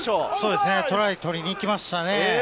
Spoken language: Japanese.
トライを取りにいきましたね。